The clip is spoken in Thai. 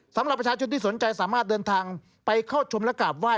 สำหรับประชาชนที่สนใจสามารถเดินทางไปเข้าชมและกราบไห้